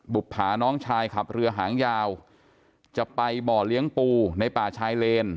ผาน้องชายขับเรือหางยาวจะไปบ่อเลี้ยงปูในป่าชายเลน